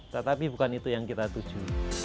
tetapi bukan itu yang kita tuju